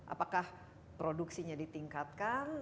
apakah produksinya ditingkatkan